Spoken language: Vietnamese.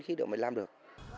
cái đó mới làm được